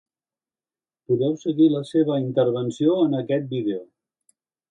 Podeu seguir la seva intervenció en aquest vídeo.